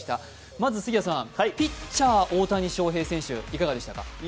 まずピッチャー・大谷翔平選手、いかがでしたか？